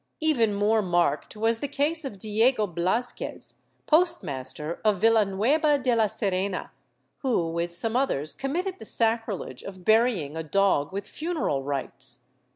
Even more marked was the case of Diego Blasquez, postmaster of Villa nueba de la Serena, who with some others committed the sacrilege of burying a dog with funeral rites.